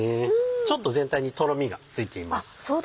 ちょっと全体にとろみがついています。